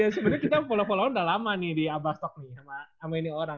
ya sebenernya kita follow follow udah lama nih di abastalk nih sama ini orang